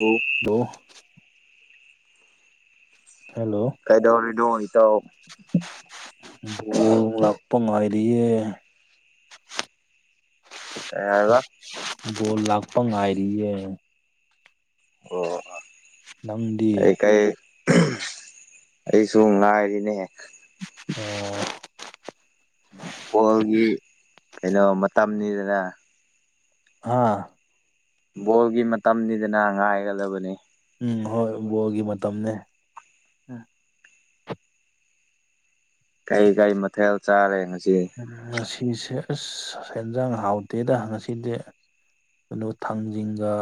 ꯑꯣ ꯑꯗꯨꯣ ꯍꯦꯜꯂꯣ ꯀꯥꯏꯗꯧꯔꯣꯏꯗꯣ ꯏꯇꯥꯎ ꯎꯄ ꯉꯥꯏꯔꯤꯌꯦ ꯇꯔꯕ ꯣꯜ ꯂꯥꯛꯒꯄꯪꯒ ꯑꯥꯏꯔꯤꯌꯦ ꯑꯣ ꯀ ꯅꯪꯗꯤ ꯀꯥꯏ ꯑꯩꯁꯨ ꯉꯥꯏꯔꯤꯅꯦ [unintelligible] ꯕꯣꯜꯒꯤ ꯀꯩꯅꯣ ꯃꯇꯝꯅꯤꯗꯅ ꯍꯥꯥ ꯕꯣꯜꯒꯤ ꯃꯇꯝꯅꯤꯗꯅ ꯉꯥꯏꯒꯗꯕꯅꯤ ꯎꯝ ꯍꯣꯏ ꯕꯣꯜꯒꯤ ꯃꯇꯝꯅꯦ ꯀꯩ ꯀꯩ ꯃꯊꯦꯜ ꯆꯥꯔꯦ ꯉꯁꯤ ꯉꯁꯤꯁꯦ ꯑꯁ ꯍꯦꯟꯁꯥꯡ ꯍꯥꯎꯇꯦꯗ ꯉꯁꯤꯗꯤ ꯀꯩꯅꯣ ꯊꯥꯡꯖꯤꯡꯒ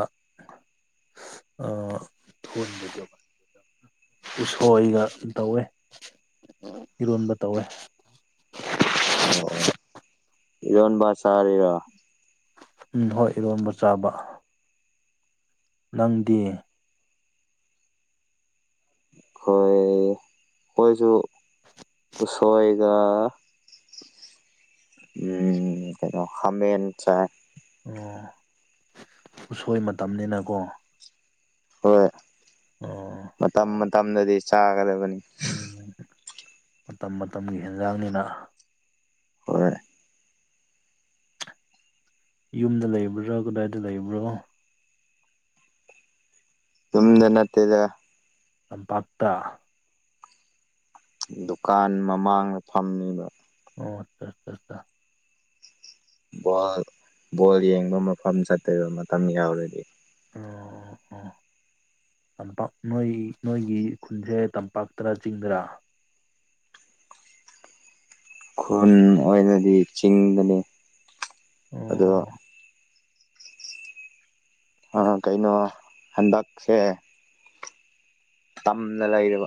[unintelligible] ꯎꯁꯣ ꯑꯩꯒ ꯇꯧꯋꯦ ꯏꯔꯣꯟꯕ ꯇꯧꯋꯦ [unintelligible] [inaudible] ꯏꯣꯟ ꯁꯔꯔꯣ ꯎꯝ ꯍꯣꯏ ꯏꯔꯣꯟꯕ ꯆꯥꯕ ꯅꯪꯗꯤ ꯑꯩꯈꯣꯏ ꯑꯩꯈꯣꯏꯁꯨ ꯎꯁꯣꯏꯒ ꯎꯝ ꯀꯩꯅꯣ ꯍꯃꯦꯟ ꯆꯥ ꯑꯣ ꯎꯁꯣꯏ ꯃꯇꯝꯅꯤꯅꯀꯣ ꯍꯣꯏ ꯑꯣ ꯃꯇꯝ ꯃꯇꯝꯗꯗꯤ ꯆꯥꯒꯗꯕꯅꯤ ꯎ ꯃꯇꯝ ꯃꯇꯝꯒꯤ ꯏꯟꯖꯥꯡꯅꯤꯅ ꯍꯣꯏ ꯌꯨꯝꯗ ꯂꯩꯕ꯭ꯔꯥ ꯀꯗꯥꯏꯗ ꯂꯩꯕ꯭ꯔꯣ ꯇꯗ ꯅꯠꯇꯗ ꯂꯝꯄꯥꯛꯇ ꯗꯨꯀꯥꯟ ꯃꯃꯥꯡꯗ ꯐꯝꯃꯤꯕ ꯑꯣ ꯑꯆꯥ ꯑꯆꯥ ꯑꯆꯥ ꯕꯣꯜ ꯕꯣꯜ ꯌꯦꯡꯕ ꯃꯐꯝ ꯆꯠꯇꯕ ꯃꯇꯝ ꯌꯥꯎꯔꯗꯤ ꯑꯣ ꯑꯣ ꯇꯝꯄꯥꯛ ꯅꯣꯏ ꯅꯣꯏꯒꯤ ꯈꯨꯟꯁꯦ ꯇꯝꯄꯥꯛꯇꯔꯥ ꯆꯤꯡꯗꯔꯥ ꯈꯨꯟ ꯑꯣꯏꯅꯗꯤ ꯆꯤꯡꯗꯅꯤ ꯑꯗꯣ ꯑꯣ ꯀꯩꯅꯣ ꯍꯟꯗꯛꯁꯦ ꯇꯝ ꯂ ꯍꯥꯏꯕ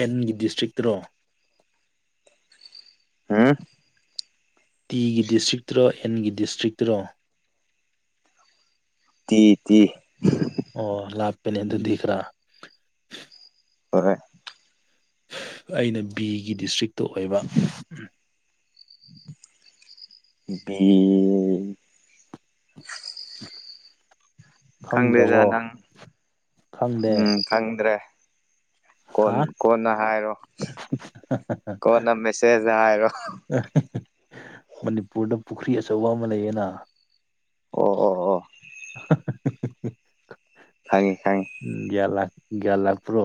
ꯑꯦꯟꯒꯤ ꯗꯤꯁꯇ꯭ꯔꯤꯛꯇꯔꯣ ꯍꯥ ꯇꯤꯒꯤ ꯗꯤꯁꯇ꯭ꯔꯤꯛꯇꯔꯣ ꯑꯦꯟꯒꯤ ꯗꯤꯁꯇ꯭ꯔꯤꯛꯇꯔꯣ ꯇ ꯇ ꯑꯣ ꯂꯥꯞꯄꯅꯦ ꯑꯗꯨꯗꯤ ꯈꯔ ꯍꯣꯏ ꯍꯣꯏ ꯑꯩꯅ ꯕꯤꯒꯤ ꯗꯤꯁꯇ꯭ꯔꯤꯛꯇ ꯑꯣꯏꯕ [unintelligible] ꯈꯪꯗꯦꯗ ꯈꯪꯗ꯭ꯔꯕꯣ ꯅꯪ ꯈꯪꯗꯦ ꯎꯝ ꯈꯪꯗ꯭ꯔꯦ ꯀꯣꯟ ꯍꯥ ꯀꯣꯟꯅ ꯍꯥꯏꯔꯣ ꯀꯣꯟꯅ ꯃꯦꯁꯦꯖ ꯍꯥꯏꯔꯣ ꯃꯅꯤꯄꯨꯔꯗ ꯄꯨꯈ꯭ꯔꯤ ꯑꯆꯧꯕ ꯑꯃ ꯂꯩꯌꯦꯅ ꯑꯣ ꯑꯣ ꯑꯣ [unintelligible] ꯈꯉꯦ ꯈꯉꯦ ꯎꯝ ꯭ ꯂ ꯭ ꯂꯥꯈ ꯄ꯭ꯔꯣ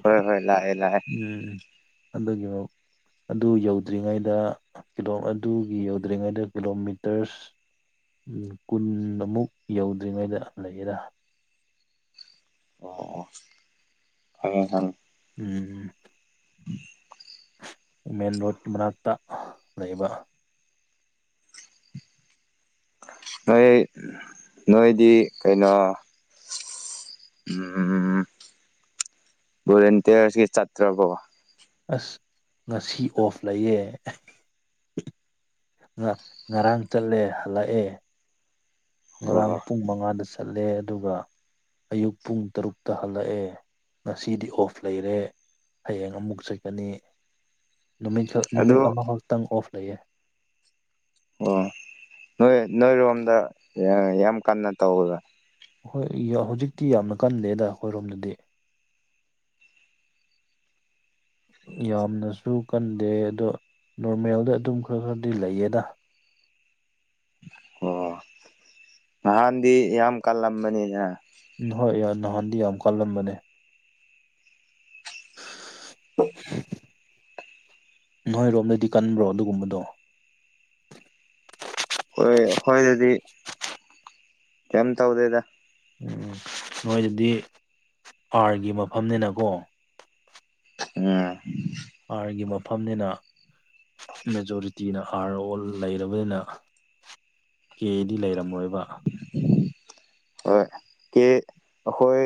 ꯍꯣꯏ ꯍꯣꯏ ꯂꯥꯛꯑꯦ ꯂꯥꯛꯑꯦ ꯎꯝ ꯑꯗ ꯑꯗꯨ ꯌꯧꯗ꯭ꯔꯤꯉꯩꯗꯂ ꯑꯗꯨꯒꯤ ꯌꯧꯗ꯭ꯔꯤꯉꯩꯗ ꯀꯤꯂꯣꯃꯤꯇꯔꯁ ꯀꯨꯟꯃꯨꯛ ꯌꯧꯗ꯭ꯔꯤꯉꯩꯗ ꯂꯩꯌꯦꯔ ꯑꯣ ꯑꯣ ꯐꯒꯦ ꯈꯪ ꯎꯝ ꯃꯦꯟ ꯔꯣꯗꯀꯤ ꯃꯅꯥꯛꯇ ꯂꯩꯕ ꯅꯣꯏ ꯅꯣꯏꯗꯤ ꯀꯩꯅꯣ ꯎꯝ ꯣꯔꯦꯟꯇꯁꯤꯀꯤ ꯆꯇ꯭ꯔꯔꯕ ꯑꯁ ꯉꯁꯤ ꯑꯣꯐ ꯂꯩꯌꯦ ꯉ ꯉꯔꯥꯡ ꯆꯠꯂꯦ ꯍꯜꯂꯛꯑꯦ ꯑꯣ ꯉꯔꯥꯡ ꯄꯨꯡ ꯃꯉꯥꯗ ꯆꯠꯂꯦ ꯑꯗꯨꯒ ꯑꯌꯨꯛ ꯄꯨꯡ ꯇꯔꯨꯛꯇ ꯍꯜꯂꯛꯑꯦ ꯉꯁꯤꯗꯤ ꯑꯣꯐ ꯂꯩꯔꯦ ꯍꯌꯦꯡ ꯑꯃꯨꯛ ꯆꯠꯀꯅꯤ ꯅꯨꯃꯤꯠꯈꯛ ꯅꯨꯃꯤꯠ ꯑꯗꯨ ꯑꯃꯈꯛꯇꯪ ꯑꯣꯐ ꯂꯩꯌꯦ ꯑꯣ ꯅꯣꯏ ꯅꯣꯏꯔꯣꯝꯗ ꯌꯥꯝ ꯀꯟꯅ ꯇꯧꯕꯗ ꯍꯣꯏ ꯍꯧꯖꯤꯛꯇꯤ ꯌꯥꯝꯅ ꯀꯜꯂꯦꯗ ꯑꯩꯈꯣꯏꯔꯣꯝꯗꯗꯤ ꯌꯥꯝꯅꯁꯨ ꯀꯟꯗꯦ ꯑꯗꯣ ꯅꯣꯔꯃꯦꯜꯗ ꯑꯗꯨꯝ ꯈꯔ ꯈꯔꯗꯤ ꯂꯩꯌꯦꯗ ꯑꯣ ꯅꯍꯥꯟꯗꯤ ꯌꯥꯝ ꯀꯜꯂꯝꯕꯅꯤꯅ ꯍꯣꯏ ꯅꯍꯥꯟꯗꯤ ꯌꯥꯝ ꯀꯜꯂꯝꯕꯅꯦ [unintelligible] ꯍ ꯅꯣꯏꯔꯣꯝꯗꯗꯤ ꯀꯟꯕ꯭ꯔꯣ ꯑꯗꯨꯒꯨꯝꯕꯗꯣ ꯍꯣꯏ ꯑꯈꯣꯏꯗꯥꯗꯤ ꯀꯩꯝ ꯇꯧꯗꯦꯗ ꯎꯝ ꯅꯣꯏꯗꯗꯤ ꯍꯥꯔꯒꯤ ꯃꯐꯝꯅꯤꯅꯀꯣ ꯑꯝ ꯍꯥꯥꯔꯒꯤ ꯃꯐꯝꯅꯤꯅ ꯃꯦꯖꯣꯔꯤꯇꯤꯅ ꯍꯥꯔ ꯑꯣꯜ ꯂꯩꯔꯕꯅꯤꯅ ꯀꯦꯗꯤ ꯂꯩꯔꯝꯃꯣꯏꯕ ꯍꯣꯏ ꯀꯦ ꯑꯈꯣꯏ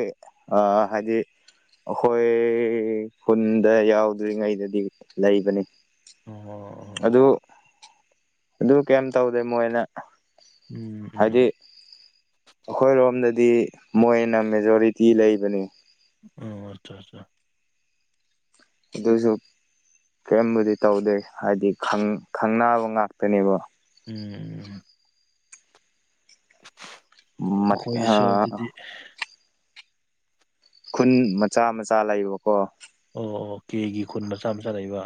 ꯑꯥ ꯍꯥꯏꯗꯤ ꯑꯈꯣꯏ ꯈꯨꯟꯗ ꯌꯥꯎꯗ꯭ꯔꯤꯉꯩꯗꯗꯤ ꯂꯩꯕꯅꯦ ꯑꯣ ꯑꯗꯨ ꯑꯗꯨ ꯀꯌꯥꯝ ꯇꯧꯗꯦ ꯃꯣꯏꯅ ꯎꯝ ꯎꯝ ꯑꯈꯣꯏꯔꯣꯝꯗꯗꯤ ꯃꯣꯏꯅ ꯃꯦꯖꯣꯔꯤꯇꯤ ꯂꯩꯕꯅꯤ ꯑꯣ ꯑꯠꯆꯥ ꯑꯠꯆꯥ ꯑꯗꯨꯁꯨ ꯀꯔꯤꯝꯕꯨꯗꯤ ꯇꯧꯗꯦ ꯍꯥꯏꯗꯤ ꯈꯪ ꯈꯪꯅꯕ ꯉꯥꯛꯇꯅꯦꯕ ꯎꯝ ꯎꯝ ꯑꯩꯈꯣꯏꯁꯨ ꯑꯗꯨꯗꯤ ꯈꯨꯟ ꯃꯆꯥ ꯃꯆꯥ ꯂꯩꯕꯀꯣ ꯑꯣ ꯑꯣ ꯀꯦꯒꯤ ꯈꯨꯟ ꯃꯆꯥ ꯃꯆꯥ ꯂꯩꯕ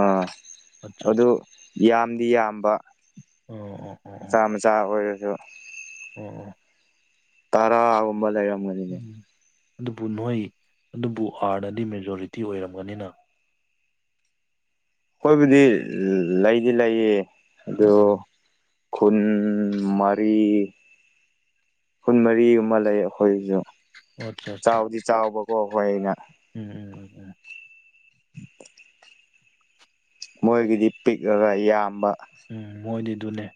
ꯑꯥ ꯑꯠꯆꯥ ꯑꯗꯨ ꯑꯠꯆꯥ ꯌꯥꯝꯗꯤ ꯌꯥꯝꯕ ꯑꯣ ꯑꯣ ꯑꯣ ꯑꯣ ꯃꯆꯥ ꯃꯆꯥ ꯑꯣꯏꯔꯁꯨ ꯑꯣ ꯑꯣ ꯇꯔꯥꯒꯨꯝꯕ ꯂꯩꯔꯝꯒ ꯎꯝ ꯑꯗꯨꯕꯨ ꯅꯣꯏ ꯑꯗꯨꯕꯨ ꯍꯥꯔꯅꯗꯤ ꯃꯦꯖꯣꯔꯤꯇꯤ ꯑꯣꯏꯔꯝꯒꯅꯤꯅ ꯑꯩꯈꯣꯏꯕꯨꯗꯤ ꯂꯩꯗꯤ ꯂꯩꯌꯦ ꯑꯗꯨ ꯑꯣ ꯈꯨꯟ ꯃꯔꯤ ꯈꯨꯟ ꯃꯔꯤꯒꯨꯝꯕ ꯂꯩ ꯑꯩꯈꯣꯏꯖꯨ ꯑꯣ ꯑꯠꯆꯥ ꯑꯠꯆꯥ ꯆꯥꯎꯗꯤ ꯆꯥꯎꯕꯀꯣ ꯑꯩꯈꯣꯏꯅ ꯎꯝ ꯎꯝ ꯎꯝ [unintelligible] ꯃꯣꯏꯒꯤꯗꯤ ꯄꯤꯛꯑꯒ ꯌꯥꯝꯕ ꯎꯝ ꯃꯣꯏꯗꯤ ꯗꯨꯅꯦ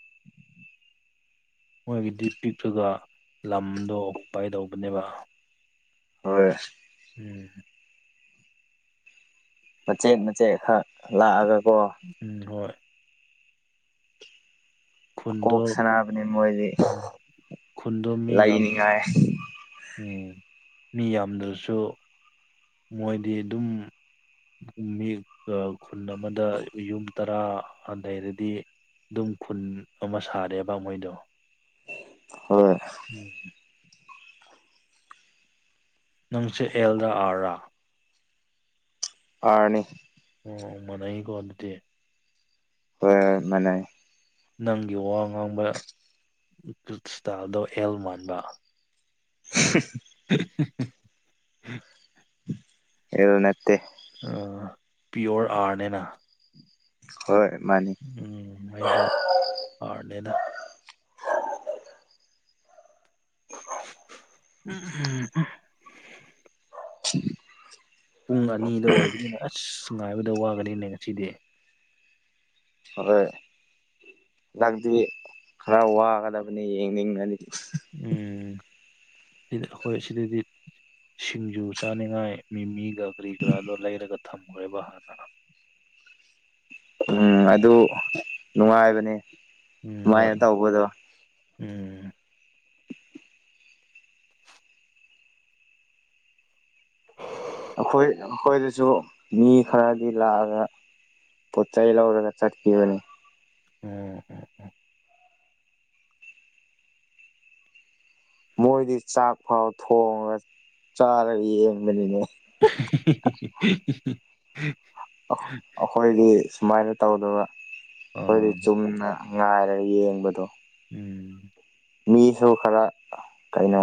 ꯃꯣꯏꯒꯤꯗꯤ ꯄꯤꯛꯂꯒ ꯂꯝꯗꯣ ꯑꯣꯀꯨꯄꯥꯏ ꯇꯧꯕꯅꯦꯕ ꯍꯣꯏ ꯎꯝ ꯃꯆꯦꯠ ꯃꯆꯦꯠ ꯈꯛ ꯂꯥꯛꯑꯒ ꯀꯣ ꯎꯝ ꯍꯣꯏ ꯈꯨꯟꯗꯣ ꯀꯣꯛ ꯁꯅꯕꯅꯤ ꯃꯣꯏꯗꯤ ꯎꯝ ꯈꯨꯟꯗꯣ ꯃꯤ ꯌꯥꯝ ꯂꯩꯅꯤꯡꯉꯥꯏ ꯎꯝ ꯃꯤ ꯌꯥꯝꯗ꯭ꯔꯁꯨ ꯃꯣꯏꯗꯤ ꯑꯗꯨꯝ ꯃꯤ ꯈꯨꯟ ꯑꯃꯗ ꯌꯨꯝ ꯇꯔꯥ ꯑꯥ ꯂꯩꯔꯗꯤ ꯑꯗꯨꯝ ꯈꯨꯟ ꯑꯃ ꯁꯥꯔꯦꯕ ꯃꯣꯏꯗꯣ ꯍꯣꯏ ꯎꯝ ꯅꯪꯁꯦ ꯑꯦꯜ ꯂꯥ ꯑꯥꯔꯥ ꯑꯥꯔꯅꯦ ꯑꯣ ꯃꯅꯩꯀꯣ ꯑꯗꯨꯗꯤ ꯍꯣꯏ ꯃꯅꯩ ꯅꯪꯒꯤ ꯋꯥ ꯉꯥꯡꯕ ꯏꯁꯇꯥꯥꯏꯜꯗꯣ ꯑꯦꯜ ꯃꯥꯟꯕ [unintelligible] [unintelligible] ꯑꯦꯜ ꯅꯠꯇꯦ ꯄꯤꯌꯣꯔ ꯑꯥꯔꯅꯦꯅ ꯍꯣꯏ ꯃꯥꯅꯤ ꯎꯝ ꯑꯩꯁꯨ ꯐꯔꯅꯦꯗ [unintelligible] [unintelligible] ꯄꯨꯡ ꯑꯅꯤꯗ ꯑꯣꯏꯕꯅꯤꯅ ꯑꯁ ꯉꯥꯏꯕꯗ ꯋꯥꯒꯅꯤꯅꯦ ꯉꯁꯤꯗꯤ [unintelligible] ꯍꯟꯗꯛꯇꯤ ꯈꯔ ꯋꯥꯒꯗꯕꯅꯤ ꯌꯦꯡꯅꯤꯡꯅꯗꯤ ꯎꯝ ꯁꯤꯗ ꯑꯩꯈꯣꯏ ꯑꯁꯤꯗꯗꯤ ꯁꯤꯡꯖꯨ ꯆꯥꯅꯤꯡꯉꯥꯏ ꯃꯤꯃꯤ ꯀꯔꯤ ꯀꯔꯥꯗꯣ ꯂꯩꯔꯒ ꯊꯝꯈ꯭ꯔꯦꯕ ꯍꯥꯟꯅ ꯎꯝ ꯑꯗꯨ ꯅꯨꯡꯉꯥꯏꯕꯅꯤ ꯎꯝ ꯍꯣꯏ ꯎꯝ [unintelligible] ꯑꯩꯈꯣꯏ ꯑꯩꯈꯣꯏꯗꯁꯨ ꯃꯤ ꯈꯔꯗꯤ ꯂꯥꯛꯑꯒ ꯄꯣꯠ ꯆꯩ ꯂꯧꯔꯒ ꯆꯠꯈꯤꯕꯅꯤ ꯎꯝ ꯃꯣꯏꯗꯤ ꯆꯥꯛ ꯐꯥꯎ ꯊꯣꯡꯉꯒ ꯆꯥꯔꯒ ꯌꯦꯡꯕꯅꯤꯅꯦ [unintelligible] ꯑꯩꯈꯣꯏꯗꯤ ꯁꯨꯃꯥꯏꯅ ꯇꯧꯗꯕ ꯑꯩꯈꯣꯏꯗꯤ ꯑꯥ ꯆꯨꯝꯅ ꯉꯥꯏꯔꯒ ꯌꯦꯡꯕꯗꯣ ꯎꯝ ꯃꯤꯁꯨ ꯈꯔ ꯀꯩꯅꯣ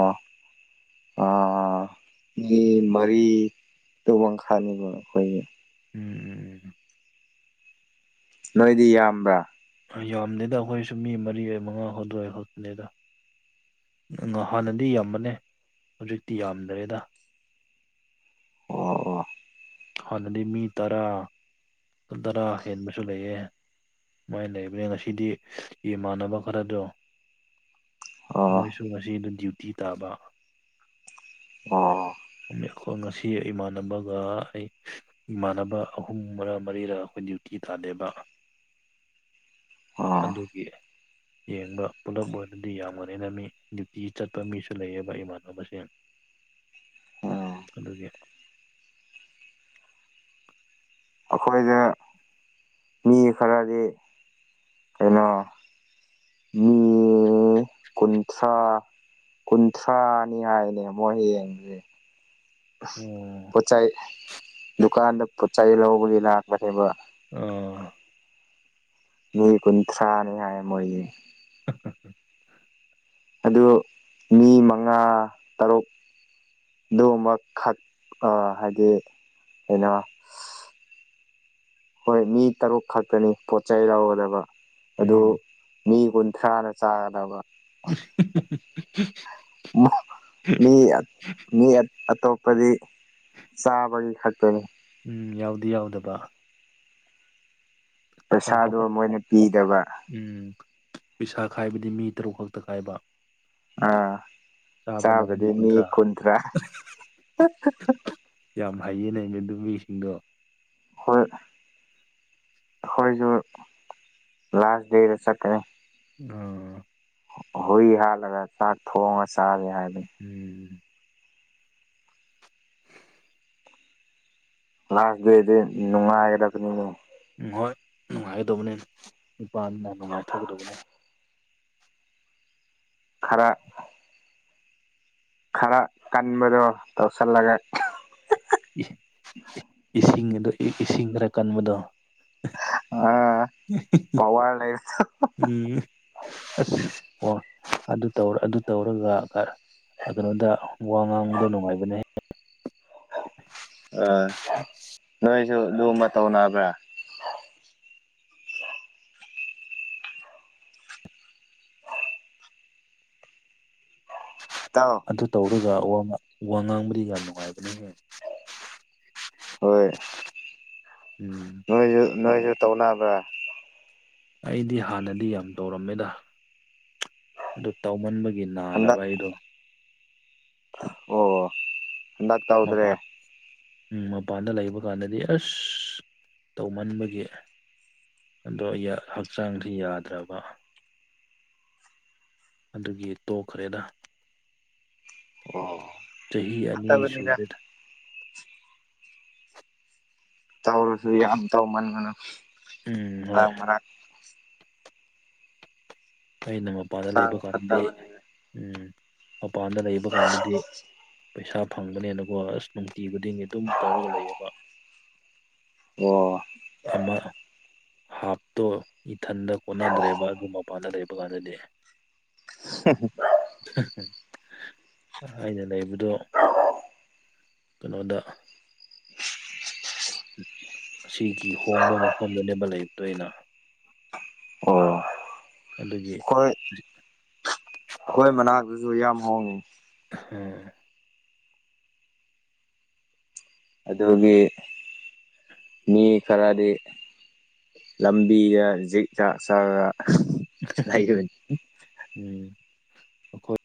ꯃꯤ ꯃꯔꯤ ꯇꯨꯃꯈꯥꯅꯤꯕꯣ ꯑꯩꯈꯣꯏꯒꯤ ꯎꯝ ꯎꯝ ꯎꯝ ꯅꯣꯏꯗꯤ ꯌꯥꯝꯕ꯭ꯔꯥ ꯌꯥꯝꯗꯦꯗ ꯑꯩꯈꯣꯏꯁꯨ ꯃꯤ ꯃꯔꯤ ꯃꯉꯥ ꯍꯧꯗꯣꯏ ꯈꯛꯇꯅꯤꯗ ꯍꯥꯟꯅꯗꯤ ꯌꯥꯝꯕꯅꯦ ꯍꯧꯖꯤꯛꯇꯤ ꯌꯥꯝꯗ꯭ꯔꯦꯗ ꯑꯣ ꯑꯣ ꯍꯥꯟꯅꯗꯤ ꯃꯤ ꯇꯔꯥ ꯇꯔꯥ ꯍꯦꯟꯕꯁꯨ ꯂꯩꯌꯦ ꯃꯣꯏꯅ ꯂꯩꯕꯅꯤ ꯉꯁꯤꯗꯤ ꯏꯃꯥꯟꯅꯕ ꯈꯔꯗꯣ ꯑꯣ ꯃꯣꯏꯁꯨ ꯉꯁꯤꯗꯨ ꯗ꯭ꯌꯨꯇꯤ ꯇꯥꯕ ꯑꯣ ꯎ ꯑꯩꯈ ꯉꯁꯤ ꯏꯃꯥꯟꯅꯕꯒ ꯑꯩ ꯏꯃꯥꯟꯅꯕ ꯑꯍꯨꯝ ꯃꯥ ꯃꯔꯤꯔ ꯑꯩꯈꯣꯏ ꯗ꯭ꯌꯨꯇꯤ ꯇꯥꯗꯦꯕ ꯑꯣ ꯑꯗꯨꯒꯤ ꯌꯦꯡꯕ ꯄꯨꯂꯞ ꯑꯣꯏꯅꯔꯗꯤ ꯌꯥꯝꯅ ꯂꯩꯔꯝꯃꯤ ꯗ꯭ꯌꯨꯇꯤ ꯆꯠꯄ ꯃꯤꯁꯨ ꯂꯩꯌꯦꯕ ꯏꯃꯥꯟꯅꯕꯁꯤꯡ [unintelligible] ꯎꯝ ꯑꯗꯨꯒꯤ ꯑꯩꯈꯣꯏꯗ ꯃꯤ ꯈꯔꯗꯤ ꯀꯅꯣ [unintelligible] ꯀꯨꯟꯊ꯭ꯔꯥ ꯀꯨꯟꯊ꯭ꯔꯥꯅꯤ ꯍꯥꯏꯅꯦ ꯃꯣꯏ ꯌꯦꯡꯁꯦ ꯑꯣ ꯄꯣꯠꯆꯥꯏ ꯗꯨꯀꯥꯟꯗ ꯄꯣꯠꯆꯥꯏ ꯂꯧꯕꯒꯤ ꯂꯥꯛꯄꯅꯦꯕ ꯑ ꯃꯤ ꯀꯨꯟꯊ꯭ꯔꯥꯅꯤ ꯍꯥꯏ ꯃꯣꯏꯒꯤ ꯎꯝ ꯑꯗꯨ ꯃꯤ ꯃꯉꯥ ꯇꯔꯨꯛ ꯑꯗꯨꯒꯨꯝꯕ ꯈꯛ ꯍꯥꯏꯗꯤ ꯀꯩꯅꯣ ꯍꯣꯏ ꯃꯤ ꯇꯔꯨꯛ ꯈꯛꯇꯅꯤ ꯄꯣꯠ ꯆꯩ ꯂꯧꯒꯗꯕ ꯑꯗꯨ ꯎꯝ ꯃꯤ ꯀꯨꯟꯊ꯭ꯔꯥꯅ ꯆꯥꯒꯗꯕ [inaudible] ꯃꯤ ꯑꯗ ꯃꯤ ꯑꯇꯣꯞꯄꯗꯤ ꯆꯥꯕꯒꯤ ꯈꯛꯇꯅꯤ ꯎꯝ ꯌꯥꯎꯗꯤ ꯌꯥꯎꯗꯕ ꯆꯥꯕ ꯄꯩꯁꯥꯗꯣ ꯈꯛ ꯃꯣꯏꯅ ꯄꯤꯗꯕ ꯎꯝ ꯄꯩꯁꯥ ꯈꯥꯏꯕꯗꯤ ꯃꯤ ꯇꯔꯨꯛ ꯈꯛꯇ ꯈꯥꯏꯕ ꯑꯥ ꯆꯥꯕꯗꯤ ꯃꯤ ꯀꯨꯟꯊ꯭ꯔꯥ ꯌꯥꯝ ꯍꯩꯌꯦꯅꯦ ꯃꯤꯗꯨ ꯃꯤꯁꯤꯡꯗꯣ ꯍꯣꯏ ꯑꯩꯈꯣꯏꯁꯨ ꯂꯥꯁ ꯗꯦꯗ ꯆꯠꯀꯅꯤ ꯑ ꯍꯨꯏ ꯍꯥꯠꯂꯒ ꯆꯥꯛ ꯊꯣꯡꯉꯒ ꯆꯥꯁꯦ ꯍꯥꯏ ꯎꯝ ꯂꯥꯁ ꯗꯦꯗꯤ ꯅꯨꯡꯉꯥꯏꯒꯘꯕꯅꯤꯅꯦ ꯎꯝ ꯍꯣꯏ ꯅꯨꯡꯉꯥꯏꯒꯗꯕꯅꯤ ꯅꯨꯄꯥꯅꯤꯅ ꯅꯨꯡꯉꯥꯏꯊꯣꯛꯀꯗꯕꯅꯤ ꯈꯔ ꯈꯔ ꯀꯟꯕꯗꯣ ꯇꯧꯁꯜꯂꯒ ꯏꯁꯤꯡ ꯑ ꯏꯁꯤꯡ ꯈꯔ ꯀꯟꯕꯗꯣ ꯑꯍ [unintelligible] ꯋꯥꯔꯥꯏꯐ ꯎꯝ ꯑꯁ ꯑꯗꯨ ꯇꯧꯔ ꯑꯗꯨ ꯇꯧꯔꯒ ꯈꯔ ꯀꯩꯅꯣꯗ ꯋꯥ ꯉꯥꯡꯕꯗꯣ ꯅꯨꯡꯉꯥꯏꯕꯅꯦ ꯑ ꯅꯣꯏꯁꯨ ꯗꯨꯒꯨꯝꯕ ꯇꯧꯅꯕ꯭ꯔꯥ ꯇꯥꯎ ꯑꯗꯨ ꯇꯧꯔꯒ ꯋꯥ ꯋꯥ ꯉꯥꯡꯕꯗꯤ ꯌꯥꯝ ꯅꯨꯡꯉꯥꯏꯕꯅꯤꯍꯦ ꯍꯣꯏ ꯎꯝ ꯅꯣꯏꯁꯨ ꯅꯣꯏꯁꯨ ꯇꯧꯅꯕ꯭ꯔꯥ ꯑꯩꯗꯤ ꯍꯥꯟꯅꯗꯤ ꯌꯥꯝ ꯇꯧꯔꯝꯃꯦꯗ ꯑꯗꯨ ꯇꯧꯃꯟꯕꯒꯤꯅꯤ ꯍꯟꯗꯛ ꯅꯗꯕ ꯑꯩꯗꯣ ꯑꯣ ꯍꯟꯗꯛ ꯇꯧꯗ꯭ꯔꯦ ꯃꯄꯥ ꯎ ꯃꯄꯥꯟꯗ ꯂꯩꯕ ꯀꯥꯟꯗꯗꯤ ꯑꯁ ꯇꯧꯃꯟꯕꯒꯤ ꯑꯗꯣ ꯌꯥ ꯍꯛꯆꯥꯡꯁꯤ ꯌꯥꯗ꯭ꯔꯕ ꯑꯗꯨꯒꯤ ꯇꯣꯛꯈ꯭ꯔꯦꯗ ꯑꯣ ꯆꯍꯤ ꯑꯅꯤ ꯐꯠꯇꯕꯅꯤꯅ ꯁꯨꯔꯦꯗ ꯇꯧꯁꯨ ꯌꯥꯝꯝ ꯇꯧ ꯃꯟꯒꯅ ꯎꯝ ꯍꯣꯏ ꯑꯩꯅ ꯃꯄꯥꯟꯗ ꯍꯛꯆꯥꯡ ꯂꯩꯕ ꯀꯥꯟꯗꯗꯤ ꯐꯠꯇꯕꯅꯤꯅ ꯎꯝ ꯃꯄꯥꯟꯗ ꯂꯩꯕ ꯀꯥꯟꯗꯗꯤ ꯄꯩꯁꯥ ꯐꯪꯕꯅꯦꯅꯀꯣ ꯑꯁ ꯅꯨꯡꯇꯤ ꯈꯨꯗꯤꯡꯒꯤ ꯑꯗꯨꯝ ꯇꯧꯔꯒ ꯂꯩꯌꯦꯕ ꯑꯣ ꯑꯃ ꯍꯥꯞꯇꯣ ꯏꯊꯟꯗ ꯀꯣꯟꯅꯗ꯭ꯔꯦꯕ ꯑꯗꯨ ꯃꯄꯥꯟꯗ ꯂꯩꯕ ꯀꯥꯟꯗꯗꯤ ꯍꯝꯍꯝ ꯑꯩꯅ ꯂꯩꯕꯗꯣ ꯀꯩꯅꯣꯗ ꯑꯁꯤꯒꯤ ꯍꯣꯡꯕ ꯃꯐꯝꯗꯨꯅꯦꯕ ꯂꯩꯇꯣꯏꯅ ꯑꯣ ꯑꯗꯨꯒꯤ ꯍꯣꯏ ꯍꯣꯏ ꯃꯅꯥꯛꯇꯨꯁꯨ ꯌꯥꯝ ꯍꯣꯡꯉꯤ ꯑꯍ ꯑꯗꯨꯒꯤ ꯃꯤ ꯈꯔꯗꯤ ꯂꯝꯕꯤꯗ ꯖꯤꯛ ꯆꯥꯛ ꯆꯥꯔ ꯎꯝ ꯑꯩꯈꯣꯏ